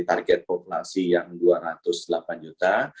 target populasi yang dua ratus delapan juta